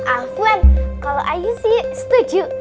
alfon kalau ayu sih setuju